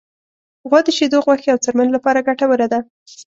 غوا د شیدو، غوښې، او څرمن لپاره ګټوره ده.